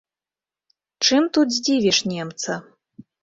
Чым тут здзівіш немца?